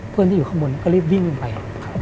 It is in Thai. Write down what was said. เพื่อนที่อยู่ข้างบนก็รีบวิ่งลงไป